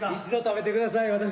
一度食べてください